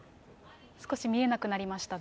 少し見えなくなりましたね。